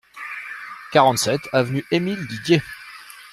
quarante-sept avenue Émile Didier